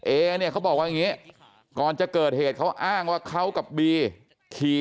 เอเนี่ยเขาบอกว่าอย่างนี้ก่อนจะเกิดเหตุเขาอ้างว่าเขากับบีขี่